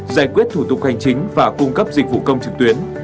giải quyết thủ tục hành chính và cung cấp dịch vụ công trực tuyến